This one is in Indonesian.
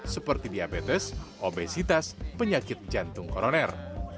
seperti diabetes obesitas penyakit jantung koroner